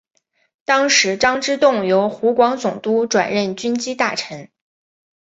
当时张之洞由湖广总督转任军机大臣。